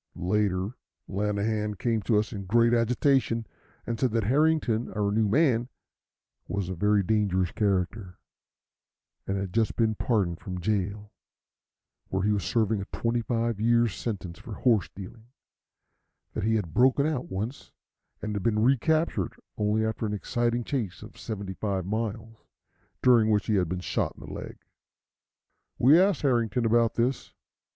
Later, Lanahan came to us in great agitation, and said that Harrington, our new man, was a very dangerous character, and had just been pardoned from jail, where he was serving a twenty five years' sentence for horse stealing; that he had broken out once, and had been recaptured only after an exciting chase of seventy five miles, during which he had been shot in the leg. We asked Harrington about this.